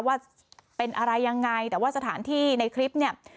ว่าเป็นอะไรยังไงแต่ว่าสถานที่ในคลิปเนี่ย